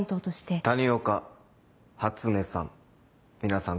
あの谷岡初音さん？